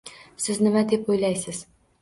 Siz nima deb o'ylaysiz?